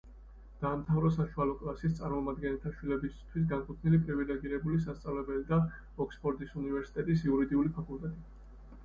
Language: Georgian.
დაამთავრა საშუალო კლასის წარმომადგენელთა შვილებისათვის განკუთვნილი პრივილეგირებული სასწავლებელი და ოქსფორდის უნივერსიტეტის იურიდიული ფაკულტეტი.